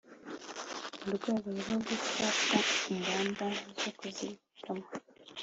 murwego rwo gufata ingamba zo kuzigama